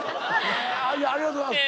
ありがとうございます。